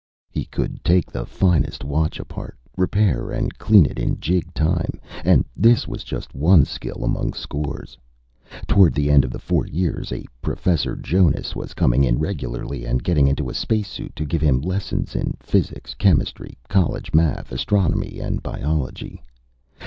He could take the finest watch, apart, repair and clean it in jig time and this was just one skill among scores. Toward the end of the four years, a Professor Jonas was coming in regularly and getting into a spacesuit to give him lessons in physics, chemistry, college math, astronomy and biology.